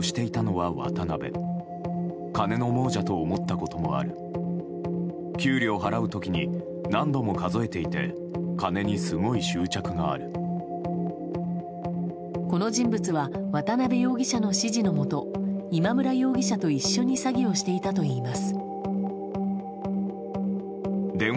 この人物は渡辺容疑者の指示のもと今村容疑者と一緒に詐欺をしていたといいます。